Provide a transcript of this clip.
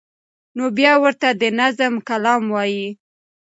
نو بیا ورته د نظم کلام وایی